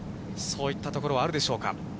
そういったところはあるでしょうか。